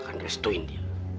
aku gak akan restuin dia